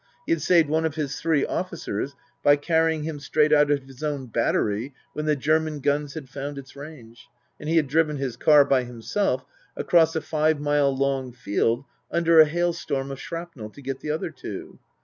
He had saved one of his three officers by carrying him straight out of his own battery, when the German guns had found its range ; and he had driven his car, by himself, across a five mile long field, under a hail storm of shrapnel, to get the other two.